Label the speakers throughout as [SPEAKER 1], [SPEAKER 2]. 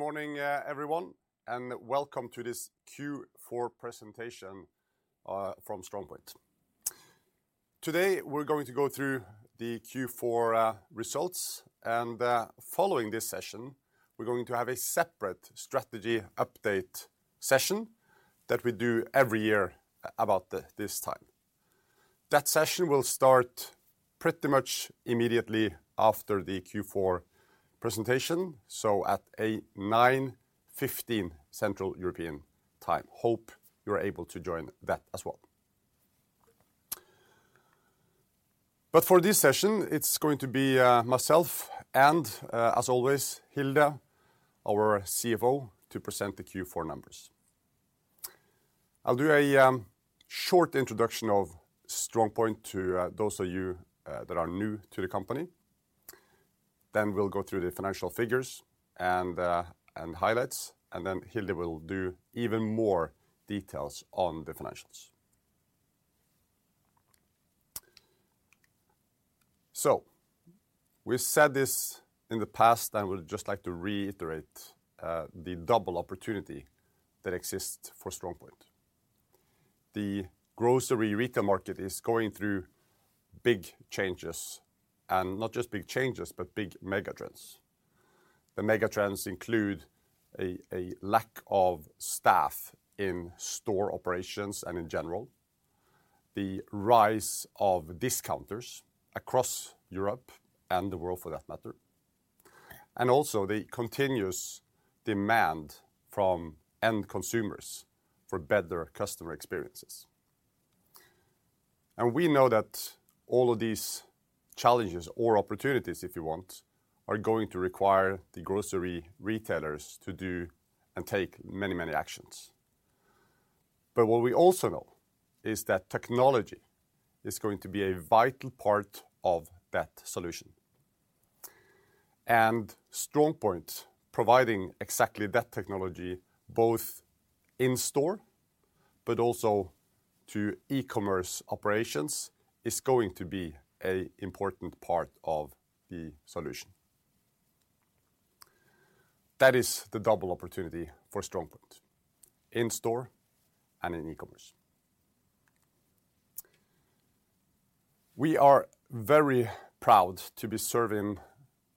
[SPEAKER 1] Good morning, everyone, and welcome to this Q4 presentation from StrongPoint. Today, we're going to go through the Q4 results, and following this session, we're going to have a separate strategy update session that we do every year about this time. That session will start pretty much immediately after the Q4 presentation, so at 9:15 A.M. Central European Time. Hope you're able to join that as well. For this session, it's going to be myself and, as always, Hilde, our CFO, to present the Q4 numbers. I'll do a short introduction of StrongPoint to those of you that are new to the company. We'll go through the financial figures and highlights, and then Hilde will do even more details on the financials. We've said this in the past, and I would just like to reiterate, the double opportunity that exists for StrongPoint. The grocery retail market is going through big changes, not just big changes, but big megatrends. The megatrends include a lack of staff in store operations and in general, the rise of discounters across Europe and the world, for that matter, and also the continuous demand from end consumers for better customer experiences. We know that all of these challenges or opportunities, if you want, are going to require the grocery retailers to do and take many, many actions. What we also know is that technology is going to be a vital part of that solution. StrongPoint providing exactly that technology, both in store but also to e-commerce operations, is going to be an important part of the solution. That is the double opportunity for StrongPoint in store and in e-commerce. We are very proud to be serving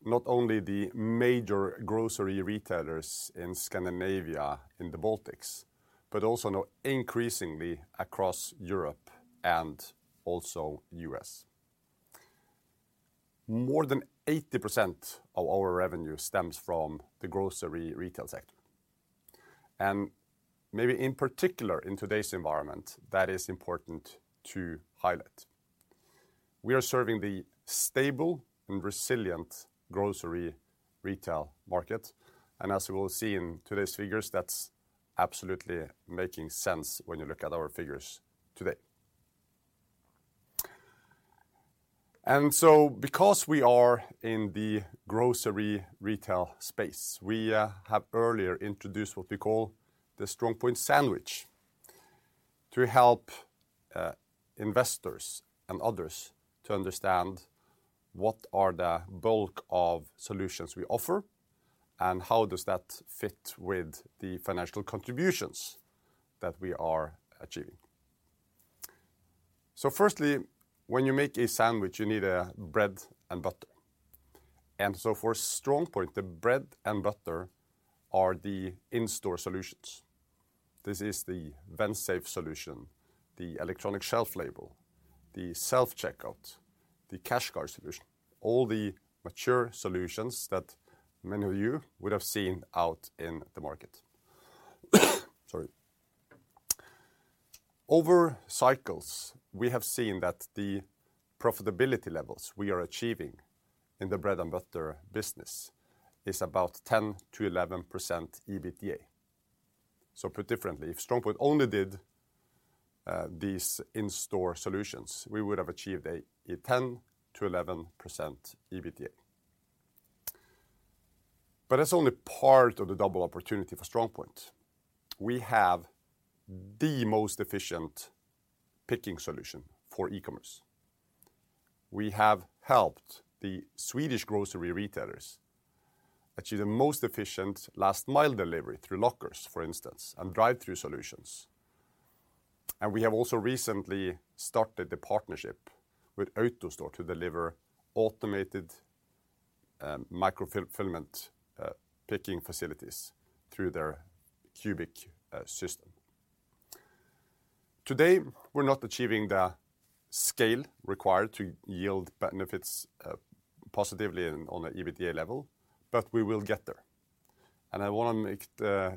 [SPEAKER 1] not only the major grocery retailers in Scandinavia and the Baltics, but also now increasingly across Europe and also U.S. More than 80% of our revenue stems from the grocery retail sector, and maybe in particular in today's environment, that is important to highlight. We are serving the stable and resilient grocery retail market, and as we will see in today's figures, that's absolutely making sense when you look at our figures today. Because we are in the grocery retail space, we have earlier introduced what we call the StrongPoint sandwich to help investors and others to understand what are the bulk of solutions we offer and how does that fit with the financial contributions that we are achieving. Firstly, when you make a sandwich, you need bread and butter. For StrongPoint, the bread and butter are the in-store solutions. This is the Vensafe solution, the electronic shelf label, the self-checkout, the cash card solution, all the mature solutions that many of you would have seen out in the market. Sorry. Over cycles, we have seen that the profitability levels we are achieving in the bread and butter business is about 10%-11% EBITDA. Put differently, if StrongPoint only did these in-store solutions, we would have achieved a 10%-11% EBITDA. That's only part of the double opportunity for StrongPoint. We have the most efficient picking solution for e-commerce. We have helped the Swedish grocery retailers achieve the most efficient last mile delivery through lockers, for instance, and drive-through solutions. We have also recently started the partnership with AutoStore to deliver automated micro-fulfillment picking facilities through their cubic system. Today, we're not achieving the scale required to yield benefits positively on an EBITDA level, but we will get there. I wanna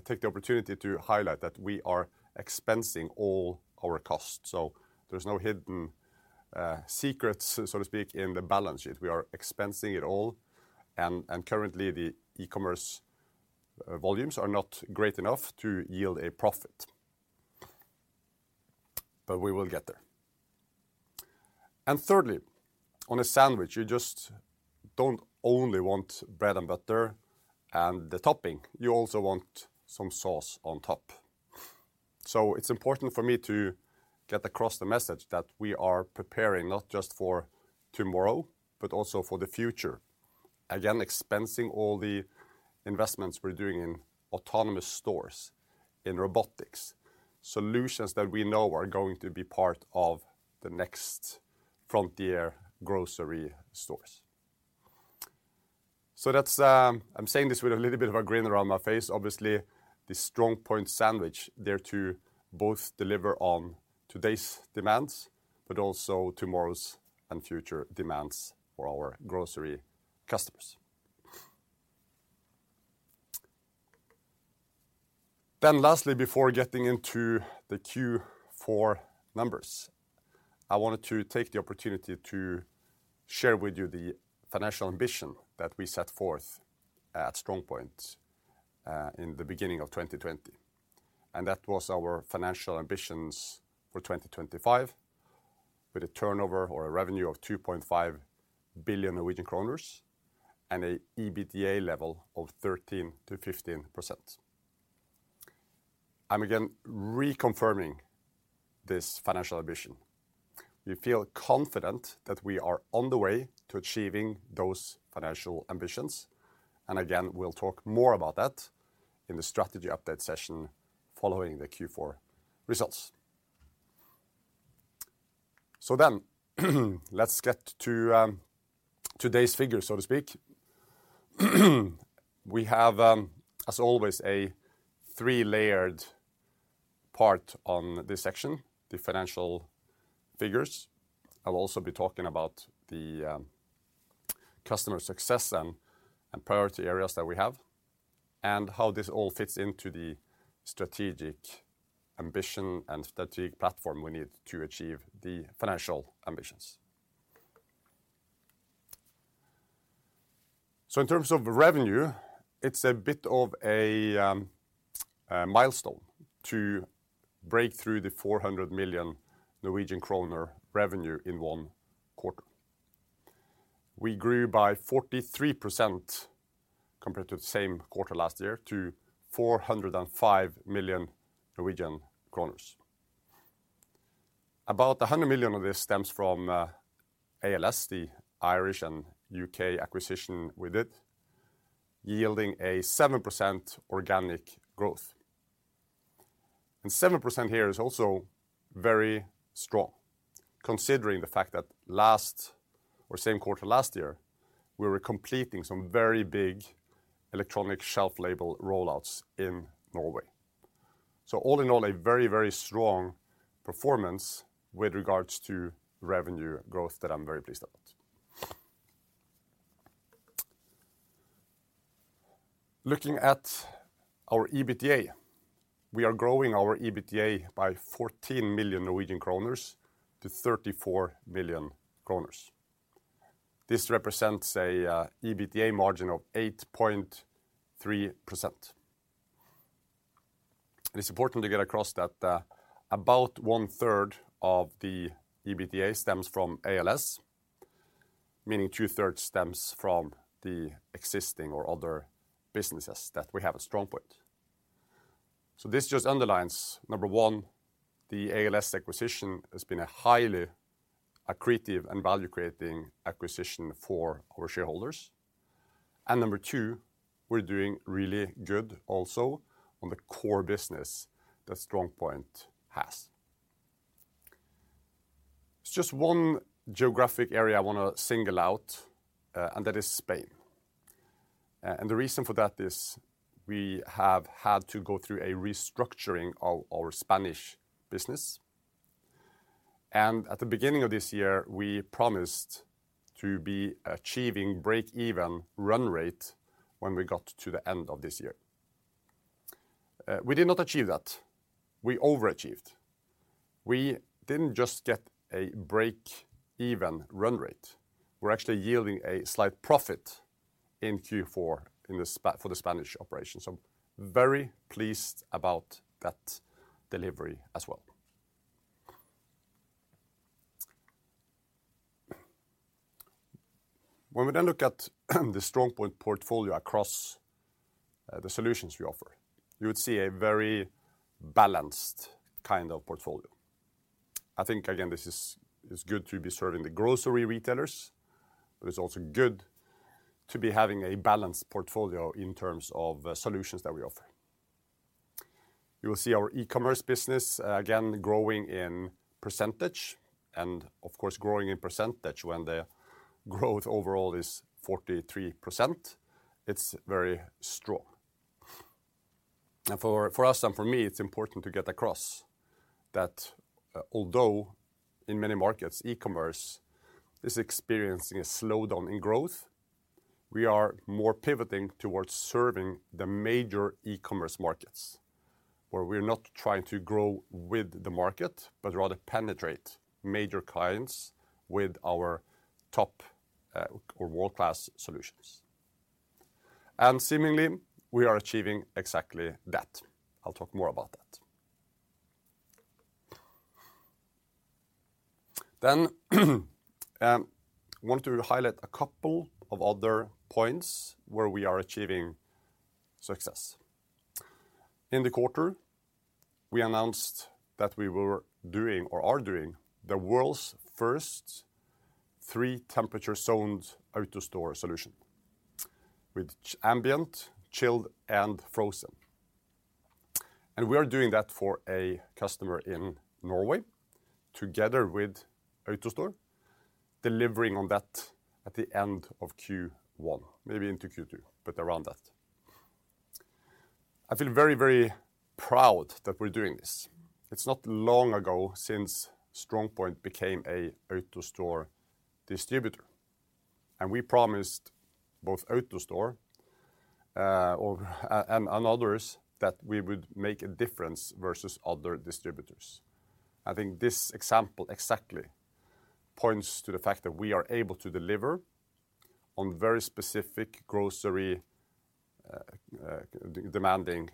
[SPEAKER 1] take the opportunity to highlight that we are expensing all our costs, so there's no hidden secrets, so to speak, in the balance sheet. We are expensing it all and currently the e-commerce volumes are not great enough to yield a profit. But we will get there. Thirdly, on a sandwich, you just don't only want bread and butter and the topping, you also want some sauce on top. So it's important for me to get across the message that we are preparing not just for tomorrow, but also for the future. Expensing all the investments we're doing in autonomous stores, in robotics, solutions that we know are going to be part of the next frontier grocery stores. That's, I'm saying this with a little bit of a grin around my face. Obviously, the StrongPoint sandwich there to both deliver on today's demands, but also tomorrow's and future demands for our grocery customers. Lastly, before getting into the Q4 numbers, I wanted to take the opportunity to share with you the financial ambition that we set forth at StrongPoint in the beginning of 2020. That was our financial ambitions for 2025 with a turnover or a revenue of 2.5 billion Norwegian kroner and a EBITDA level of 13%-15%. I'm again reconfirming this financial ambition. We feel confident that we are on the way to achieving those financial ambitions. We'll talk more about that in the strategy update session following the Q4 results. Let's get to today's figures, so to speak. We have, as always, a three-layered part on this section, the financial figures. I'll also be talking about the customer success and priority areas that we have, and how this all fits into the strategic ambition and strategic platform we need to achieve the financial ambitions. In terms of revenue, it's a bit of a milestone to break through the 400 million Norwegian kroner revenue in one quarter. We grew by 43% compared to the same quarter last year to 405 million Norwegian kroner. About 100 million of this stems from ALS, the Irish and U.K. acquisition with it, yielding a 7% organic growth. 7% here is also very strong, considering the fact that last or same quarter last year, we were completing some very big electronic shelf label rollouts in Norway. All in all, a very, very strong performance with regards to revenue growth that I'm very pleased about. Looking at our EBITDA, we are growing our EBITDA by 14 million Norwegian kroner to 34 million kroner. This represents a EBITDA margin of 8.3%. It's important to get across that about one-third of the EBITDA stems from ALS, meaning two-thirds stems from the existing or other businesses that we have at StrongPoint. This just underlines, number 1, the ALS acquisition has been a highly accretive and value-creating acquisition for our shareholders. Number 2, we're doing really good also on the core business that StrongPoint has. There's just one geographic area I wanna single out, and that is Spain. The reason for that is we have had to go through a restructuring of our Spanish business. At the beginning of this year, we promised to be achieving break-even run rate when we got to the end of this year. We did not achieve that. We overachieved. We didn't just get a break-even run rate. We're actually yielding a slight profit in Q4 for the Spanish operation. Very pleased about that delivery as well. When we look at the StrongPoint portfolio across the solutions we offer, you would see a very balanced kind of portfolio. I think again, this is good to be serving the grocery retailers, but it's also good to be having a balanced portfolio in terms of solutions that we offer. You will see our e-commerce business again, growing in percentage. Of course, growing in percentage when the growth overall is 43%, it's very strong. For us and for me, it's important to get across that although in many markets, e-commerce is experiencing a slowdown in growth, we are more pivoting towards serving the major e-commerce markets, where we're not trying to grow with the market, but rather penetrate major clients with our top or world-class solutions. Seemingly, we are achieving exactly that. I'll talk more about that. Want to highlight a couple of other points where we are achieving success. In the quarter, we announced that we were doing or are doing the world's first 3 temperature zoned AutoStore solution with ambient, chilled, and frozen. We are doing that for a customer in Norway together with AutoStore, delivering on that at the end of Q1, maybe into Q2, but around that. I feel very, very proud that we're doing this. It's not long ago since StrongPoint became a AutoStore distributor, and we promised both AutoStore or others that we would make a difference versus other distributors. I think this example exactly points to the fact that we are able to deliver on very specific grocery demanding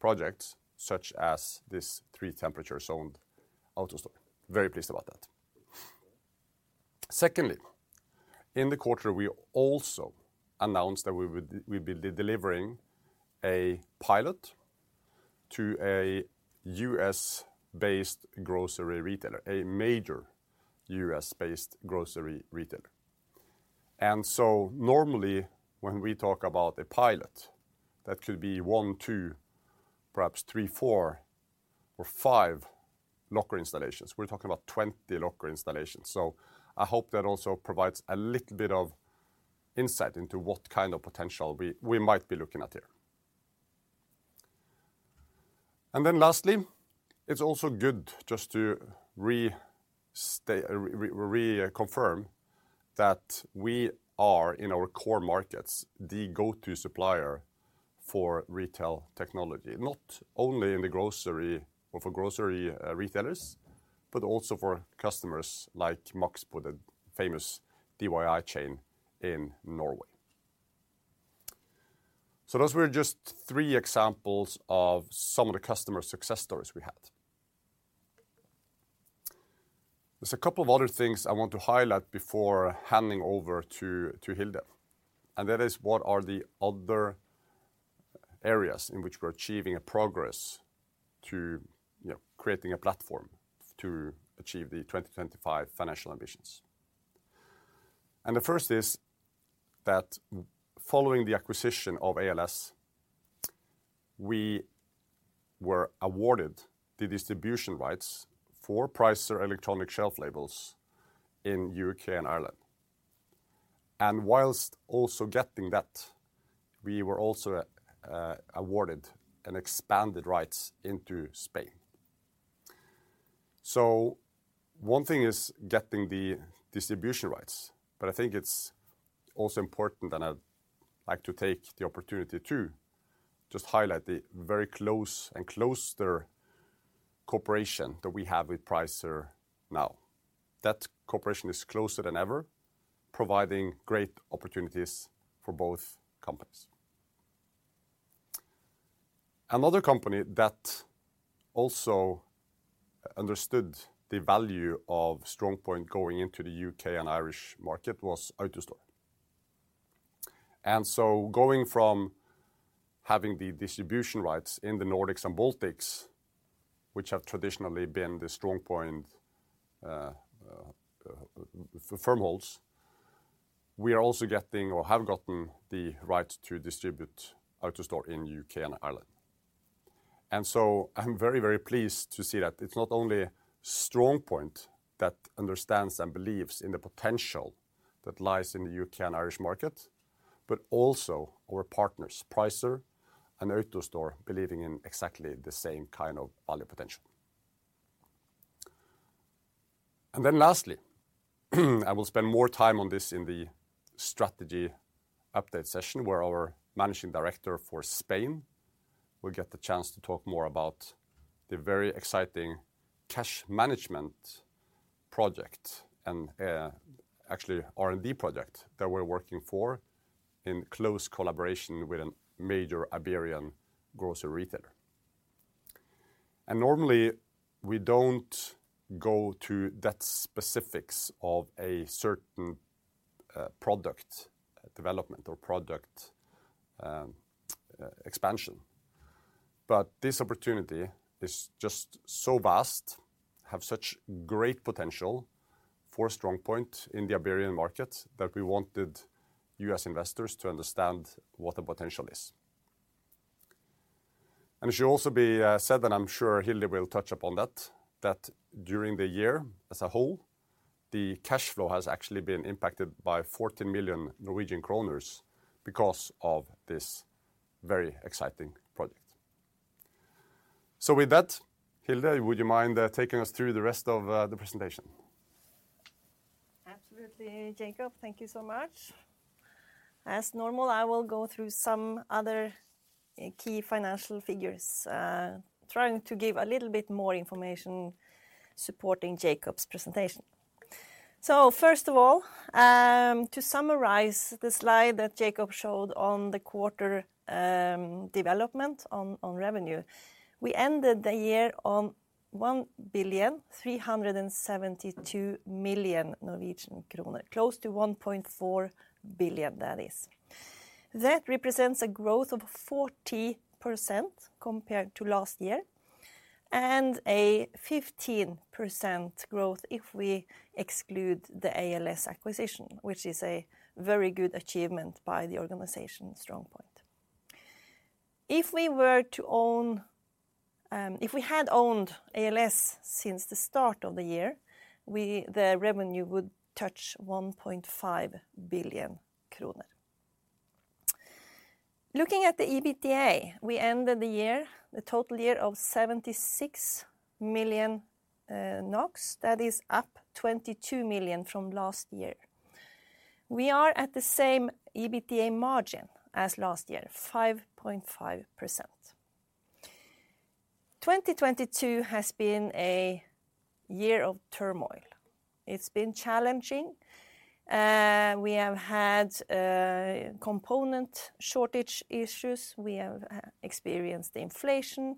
[SPEAKER 1] projects such as this three temperature zoned AutoStore. Very pleased about that. Secondly, in the quarter, we also announced that we would be delivering a pilot to a U.S.-based grocery retailer, a major U.S.-based grocery retailer. Normally when we talk about a pilot, that could be one, two, perhaps three, four, or five locker installations. We're talking about 20 locker installations. I hope that also provides a little bit of insight into what kind of potential we might be looking at here. Lastly, it's also good just to reconfirm that we are, in our core markets, the go-to supplier for retail technology, not only in the grocery or for grocery retailers, but also for customers like Maxbo, the famous DIY chain in Norway. Those were just three examples of some of the customer success stories we had. There's a couple of other things I want to highlight before handing over to Hilde, and that is what are the other areas in which we're achieving a progress to, you know, creating a platform to achieve the 2025 financial ambitions. The first is that following the acquisition of ALS, we were awarded the distribution rights for Pricer electronic shelf labels in UK and Ireland. Whilst also getting that, we were also awarded and expanded rights into Spain. One thing is getting the distribution rights, but I think it's also important, and I'd like to take the opportunity to just highlight the very close and closer cooperation that we have with Pricer now. That cooperation is closer than ever, providing great opportunities for both companies. Another company that also understood the value of StrongPoint going into the UK and Irish market was AutoStore. Going from having the distribution rights in the Nordics and Baltics, which have traditionally been the StrongPoint firmholds, we are also getting or have gotten the right to distribute AutoStore in UK and Ireland. I'm very, very pleased to see that it's not only StrongPoint that understands and believes in the potential that lies in the UK and Irish market, but also our partners, Pricer and AutoStore, believing in exactly the same kind of value potential. Lastly, I will spend more time on this in the strategy update session where our managing director for Spain will get the chance to talk more about the very exciting cash management project and actually R&D project that we're working for in close collaboration with a major Iberian grocery retailer. Normally, we don't go to that specifics of a certain product development or product expansion. This opportunity is just so vast, have such great potential for StrongPoint in the Iberian market that we wanted U.S. investors to understand what the potential is. It should also be said, and I'm sure Hilde will touch upon that during the year as a whole, the cash flow has actually been impacted by 40 million Norwegian kroner because of this very exciting project. With that, Hilde, would you mind taking us through the rest of the presentation?
[SPEAKER 2] Absolutely, Jacob. Thank you so much. As normal, I will go through some other key financial figures, trying to give a little bit more information supporting Jacob's presentation. First of all, to summarize the slide that Jacob showed on the quarter, development on revenue, we ended the year on 1.372 billion, close to 1.4 billion, that is. That represents a growth of 40% compared to last year, and a 15% growth if we exclude the ALS acquisition, which is a very good achievement by the organization StrongPoint. If we were to own, if we had owned ALS since the start of the year, the revenue would touch 1.5 billion kroner. Looking at the EBITDA, we ended the year, the total year of 76 million NOK. That is up 22 million from last year. We are at the same EBITDA margin as last year, 5.5%. 2022 has been a year of turmoil. It's been challenging. We have had component shortage issues, we have experienced inflation,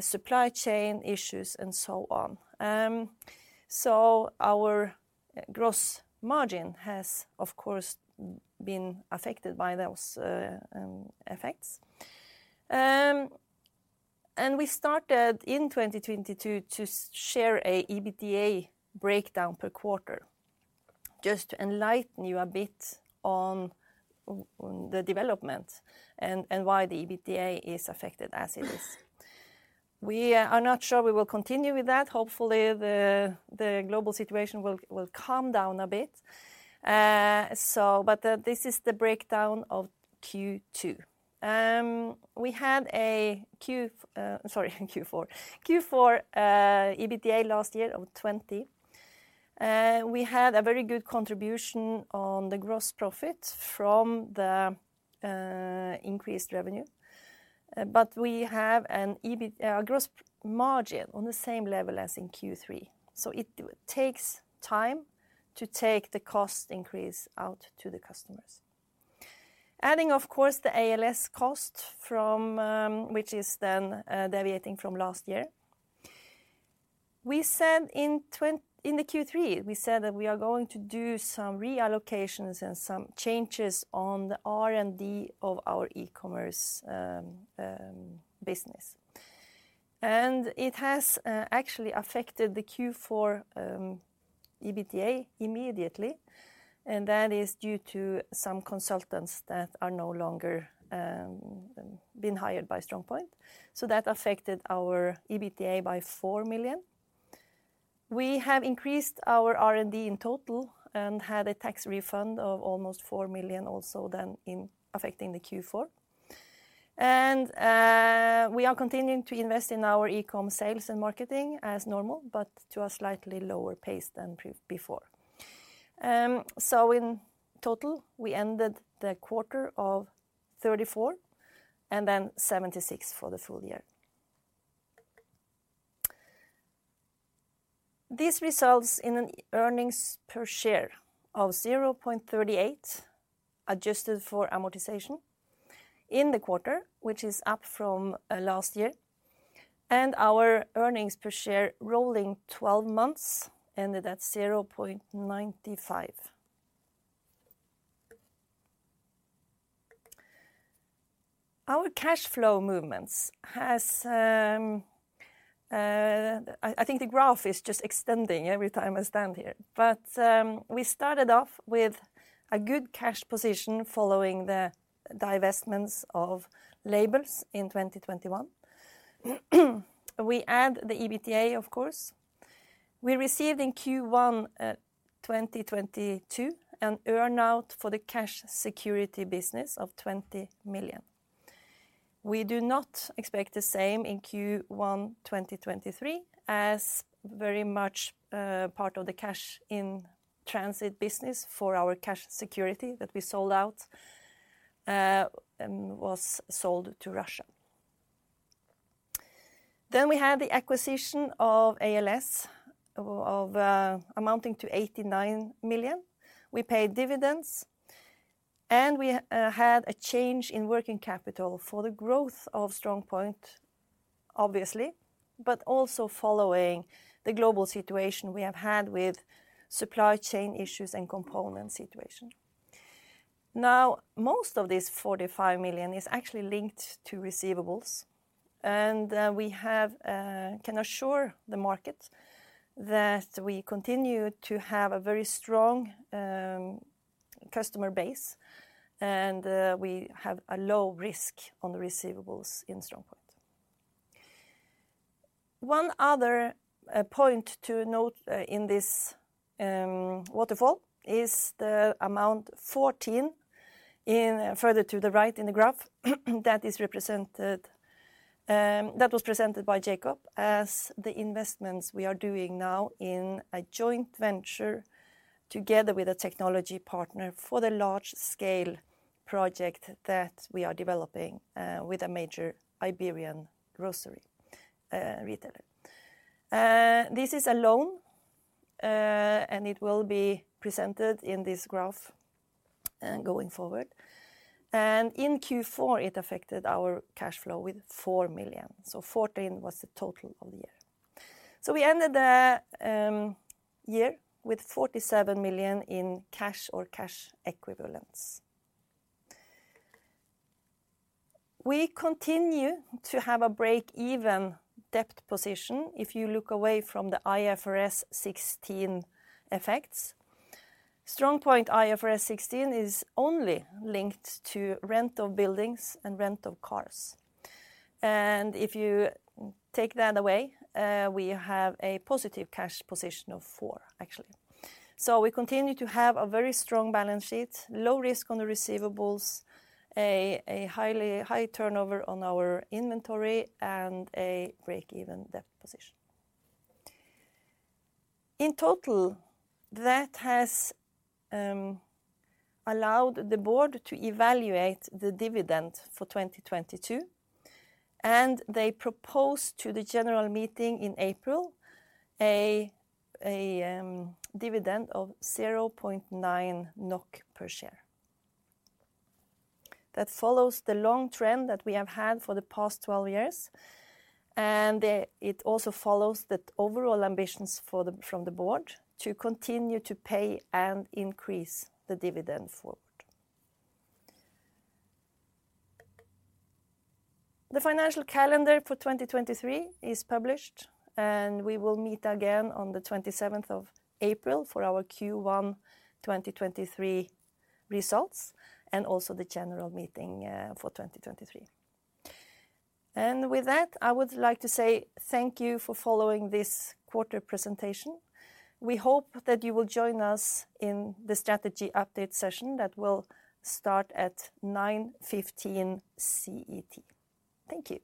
[SPEAKER 2] supply chain issues, and so on. Our gross margin has, of course, been affected by those effects. We started in 2022 to share a EBITDA breakdown per quarter just to enlighten you a bit on the development and why the EBITDA is affected as it is. We are not sure we will continue with that. Hopefully, the global situation will calm down a bit. This is the breakdown of Q2. We had a Q4. Q4 EBITDA last year of 20 million. We had a very good contribution on the gross profit from the increased revenue. We have a gross margin on the same level as in Q3. It takes time to take the cost increase out to the customers. Adding, of course, the ALS cost from which is then deviating from last year. We said in the Q3, we said that we are going to do some reallocations and some changes on the R&D of our e-commerce business. It has actually affected the Q4 EBITDA immediately, and that is due to some consultants that are no longer been hired by StrongPoint. That affected our EBITDA by 4 million. We have increased our R&D in total and had a tax refund of almost 4 million also then in affecting the Q4. We are continuing to invest in our e-com sales and marketing as normal, but to a slightly lower pace than before. In total, we ended the quarter of 34 and 76 for the full year. This results in an earnings per share of 0.38, adjusted for amortization in the quarter, which is up from last year. Our earnings per share rolling twelve months ended at NOK 0.95. Our cash flow movements has. I think the graph is just extending every time I stand here. We started off with a good cash position following the divestments of Labels in 2021. We add the EBITDA, of course. We received in Q1 2022 an earn-out for the Cash Security business of 20 million. We do not expect the same in Q1 2023, as very much part of the cash in transit business for our Cash Security that we sold out was sold to Russia. We had the acquisition of ALS of amounting to 89 million. We paid dividends, and we had a change in working capital for the growth of StrongPoint, obviously, but also following the global situation we have had with supply chain issues and component situation. Most of this 45 million is actually linked to receivables, and we can assure the market that we continue to have a very strong customer base, and we have a low risk on the receivables in StrongPoint. One other point to note in this waterfall is the amount 14 further to the right in the graph, that is represented, that was presented by Jacob as the investments we are doing now in a joint venture together with a technology partner for the large-scale project that we are developing with a major Iberian grocery retailer. This is a loan, and it will be presented in this graph going forward. In Q4, it affected our cash flow with 4 million. 14 was the total of the year. We ended the year with 47 million in cash or cash equivalents. We continue to have a break-even debt position if you look away from the IFRS 16 effects. StrongPoint IFRS 16 is only linked to rent of buildings and rent of cars. If you take that away, we have a positive cash position of four actually. We continue to have a very strong balance sheet, low risk on the receivables, a highly high turnover on our inventory, and a break-even debt position. In total, that has allowed the board to evaluate the dividend for 2022. They proposed to the general meeting in April a dividend of 0.9 NOK per share. That follows the long trend that we have had for the past 12 years. It also follows the overall ambitions from the board to continue to pay and increase the dividend forward. The financial calendar for 2023 is published. We will meet again on the 27th of April for our Q1 2023 results and also the general meeting for 2023. With that, I would like to say thank you for following this quarter presentation. We hope that you will join us in the strategy update session that will start at 9:15 CET. Thank you.